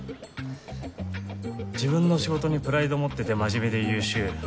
自分の仕事にプライド持ってて真面目で優秀。